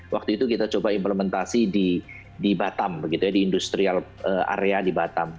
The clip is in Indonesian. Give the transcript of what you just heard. waktu itu kita coba implementasi di batam di industrial area di batam